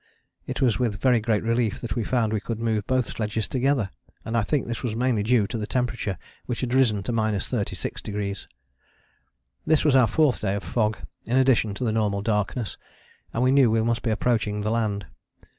It was with very great relief that we found we could move both sledges together, and I think this was mainly due to the temperature which had risen to 36°. This was our fourth day of fog in addition to the normal darkness, and we knew we must be approaching the land.